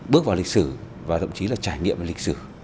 bước vào lịch sử và thậm chí là trải nghiệm lịch sử